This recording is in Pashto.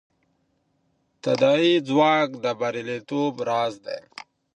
تداعي ځواک د بریالیتوب راز دی.